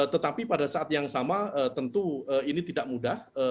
tetapi pada saat yang sama tentu ini tidak mudah